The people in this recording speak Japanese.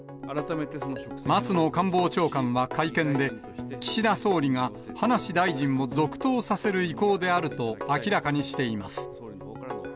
松野官房長官は会見で、岸田総理が葉梨大臣を続投させる意向であることを明らかにしています。